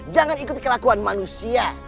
jangan ikuti kelakuan manusia